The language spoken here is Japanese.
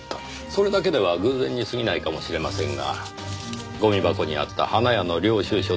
それだけでは偶然に過ぎないかもしれませんがゴミ箱にあった花屋の領収書です。